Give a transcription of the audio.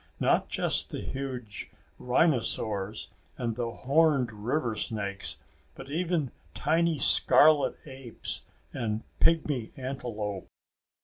Not just the huge rhinosaurs and the horned river snakes, but even tiny scarlet apes and pigmy antelope.